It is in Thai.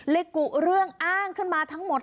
กุเรื่องอ้างขึ้นมาทั้งหมด